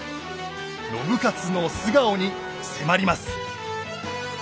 信雄の素顔に迫ります。